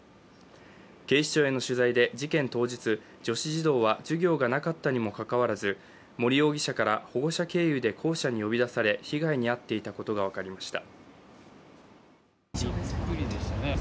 警視庁への取材で事件当日、女子児童は授業がなかったにもかかわらず、森容疑者から保護者経由で校舎に呼び出され被害に遭っていたことが分かりました。